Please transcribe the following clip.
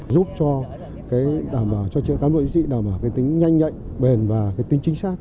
giúp cho các nội dị đảm bảo cái tính nhanh nhạy bền và cái tính chính xác